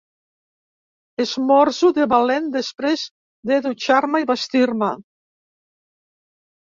Esmorzo de valent, després de dutxar-me i vestir-me.